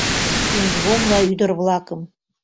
Пижгомла ӱдыр-влакым